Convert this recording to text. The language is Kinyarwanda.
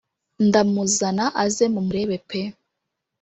ndamuzana aze mumurebe pe